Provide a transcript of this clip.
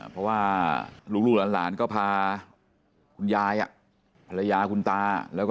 เราลงพื้นที่ไปที่